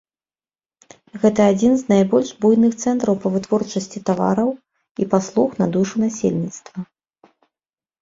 Гэта адзін з найбольш буйных цэнтраў па вытворчасці тавараў і паслуг на душу насельніцтва.